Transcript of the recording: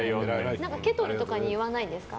ケトルとかに言わないですか。